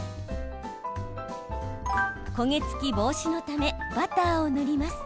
焦げ付き防止のためバターを塗ります。